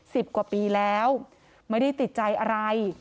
สิบกว่าปีแล้วไม่ได้ติดใจอะไร